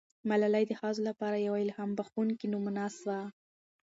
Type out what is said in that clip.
ملالۍ د ښځو لپاره یوه الهام بښونکې نمونه سوه.